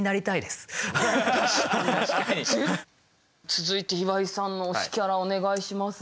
続いて岩井さんの推しキャラお願いします。